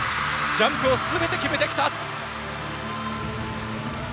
ジャンプを全て決めてきた！